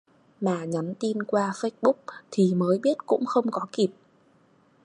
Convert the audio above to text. Mà nhắn tin qua Facebook thì mới biết cũng không có kịp